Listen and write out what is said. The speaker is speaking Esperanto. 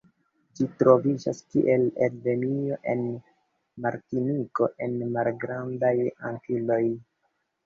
Ĝi troviĝas kiel endemio en Martiniko en Malgrandaj Antiloj.